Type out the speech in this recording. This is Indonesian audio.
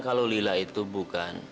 kalau lila itu bukan